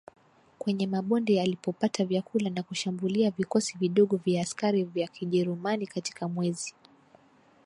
kwenye mabonde alipopata vyakula na kushambulia vikosi vidogo vya askari vya KijerumaniKatika mwezi